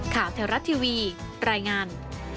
แถวรัฐทีวีรายงาน